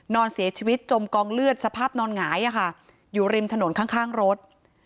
นอนเสียชีวิตจมกองเลือดสภาพนอนหงายอยู่ริมถนนข้างรถ